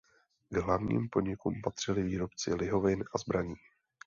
K hlavním podnikům patřili výrobci lihovin a zbraní.